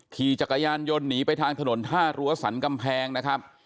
ขี่จักรยานยนต์หนีไปทางถนนท่ารั้วสรรกำแพงนะครับ